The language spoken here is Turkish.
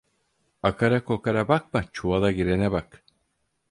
Akara kokara bakma, çuvala girene bak.